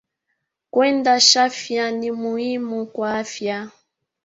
Kwenda chafya ni muhimu kwa afya.